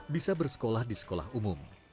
bisa bersekolah di sekolah umum